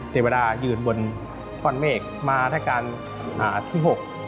เทวดายืนบนก้อนเมฆมาราชการที่๖